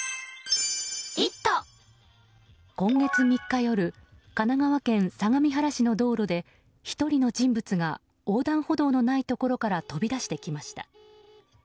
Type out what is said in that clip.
今月３日夜神奈川県相模原市の道路で１人の人物が横断歩道のないところから飛び出してきました。